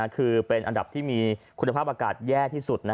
คือเป็นอันดับที่มีคุณภาพอากาศแย่ที่สุด